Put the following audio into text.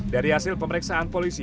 dari hasil pemeriksaan polisi